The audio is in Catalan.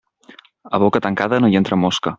A boca tancada no hi entra mosca.